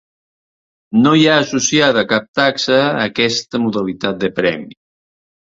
No hi ha associada cap taxa a aquesta modalitat de premi.